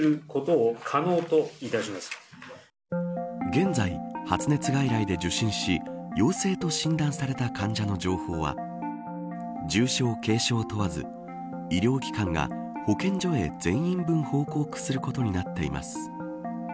現在、発熱外来で受診し陽性と診断された患者の情報は重症、軽症、問わず医療機関が保健所へ全員分を報告することになっています。